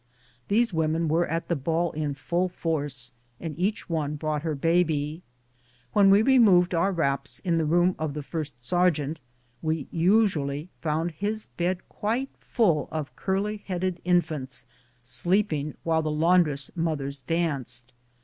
These women were at the ball in full force, and each one brought her babj. When we removed our wraps in the room of the first sergeant we usually found his bed quite full of curly lieaded infants sleeping, while the laundress mothers danced.